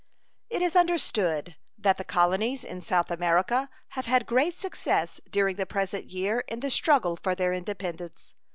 It is understood that the colonies in South America have had great success during the present year in the struggle for their independence.